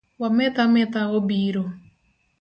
Wa meth ametha obiro.